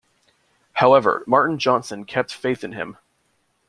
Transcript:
However Martin Johnson kept faith in him.